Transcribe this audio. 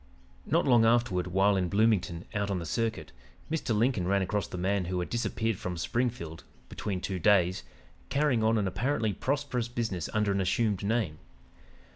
"Not long afterward, while in Bloomington, out on the circuit, Mr. Lincoln ran across the man who had disappeared from Springfield 'between two days,' carrying on an apparently prosperous business under an assumed name.